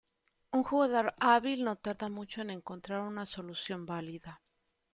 Un jugador hábil no tarda mucho en encontrar una solución válida.